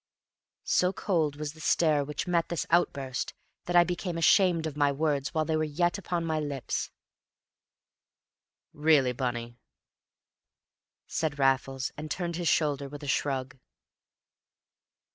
So cold was the stare which met this outburst that I became ashamed of my words while they were yet upon my lips. "Really, Bunny!" said Raffles, and turned his shoulder with a shrug.